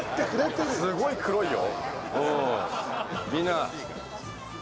すごい黒いよ。